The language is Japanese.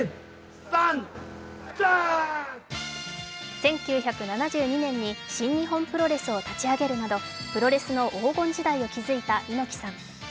１９７２年に新日本プロレスを立ち上げるなどプロレスの黄金時代を築いた猪木さん。